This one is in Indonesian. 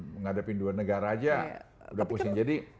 menghadapi dua negara aja udah pusing